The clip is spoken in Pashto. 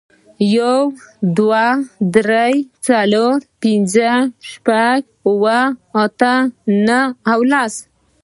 یو، دوه، درې، څلور، پینځه، شپږ، اووه، اته، نهه او لس